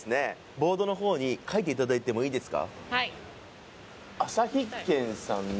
ボードのほうに書いていただいてもいいですか？